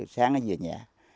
sáng ấy về nhà